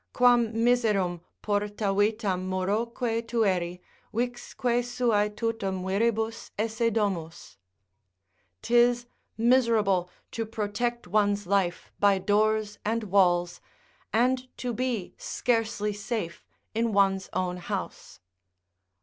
"Quam miserum, porta vitam muroque tueri, Vixque suae tutum viribus esse domus!" ["'Tis miserable to protect one's life by doors and walls, and to be scarcely safe in one's own house."